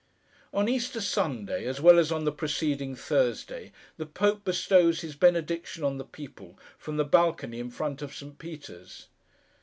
On Easter Sunday, as well as on the preceding Thursday, the Pope bestows his benediction on the people, from the balcony in front of St. Peter's.